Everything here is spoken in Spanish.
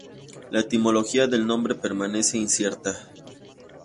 La etimología del nombre permanece incierta.